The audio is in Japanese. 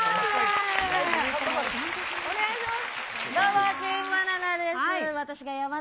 お願いします。